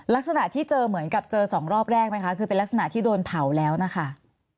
ลักษณะที่เจอเหมือนกับเจอสองรอบแรกไหมคะคือเป็นลักษณะที่โดนเผาแล้วนะคะ